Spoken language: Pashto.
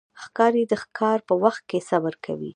ښکاري د ښکار په وخت کې صبر کوي.